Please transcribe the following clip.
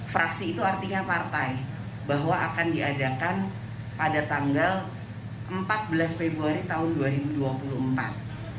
fraksi itu artinya partai bahwa akan diadakan pada tanggal empat belas februari tahun dua ribu dua puluh empat